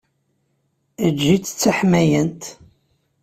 Eǧǧ-itt d taḥmayant.